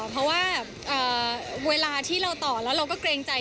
เพราะว่าเวลาที่เราต่อแล้วเราก็เกรงใจ